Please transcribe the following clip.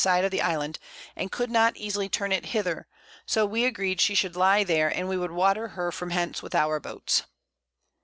Side of the Island, and could not easily turn it hither; so we agreed she should lie there, and we would water her from hence with our Boats.